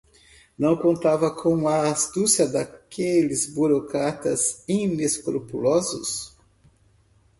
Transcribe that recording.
Não contava com a astúcia daqueles burocratas inescrupulosos